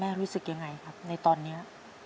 แม่รู้สึกอย่างไรปะในตอนนี้